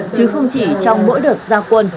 chứ không chỉ trong mỗi đợt giao quân